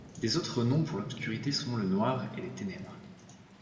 Des autres noms pour l'obscurité sont le noir et les ténèbres.